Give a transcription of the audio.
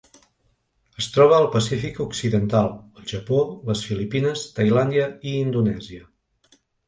Es troba al Pacífic occidental: el Japó, les Filipines, Tailàndia i Indonèsia.